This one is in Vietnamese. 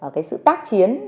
cái sự tác chiến